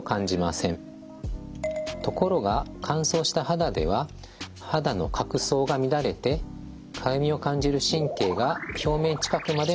ところが乾燥した肌では肌の角層が乱れてかゆみを感じる神経が表面近くまで伸びるようになります。